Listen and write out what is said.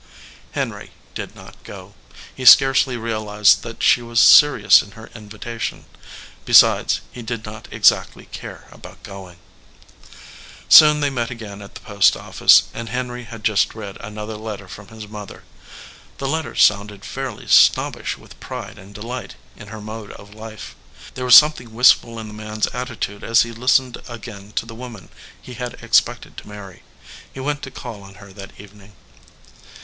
Henry did not go. He scarcely realized that she was serious in her invitation; besides, he did not yet exactly care about going. Soon they met again at the post office, and Henry had just read another letter from his mother. The letter sounded fairly snobbish with pride and de light in her mode of life. There was something wistful in the man s attitude as he listened again to the woman he had expected to marry. He went to call on her that evening.